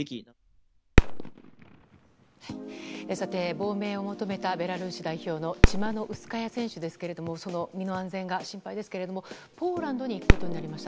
亡命を求めたベラルーシ代表のチマノウスカヤ選手の身の安全が心配ですがポーランドに行くことになりました。